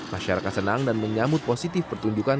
masyarakat senang dan menyambut positif pertunjukan